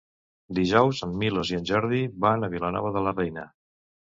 Dijous en Milos i en Jordi van a Vilanova de la Reina.